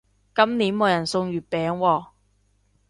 今年冇人送月餅喎